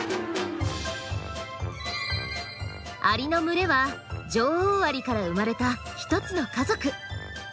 アリの群れは女王アリから生まれたひとつの家族。